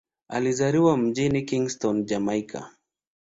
Alizaliwa mjini Kingston, Jamaika.